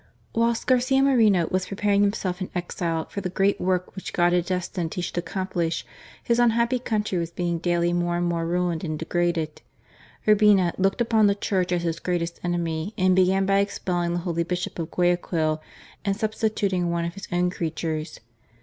Whilst Garcia Moreno was preparing himself in exile for the great work which God had destined he should accomplish, his unhappy country was being daily more and more ruined and degraded, Urbina looked upon the Church as his greatest enemy, and began by expelling the holy Bishop of Guayaquil and substituting one of his own creatures.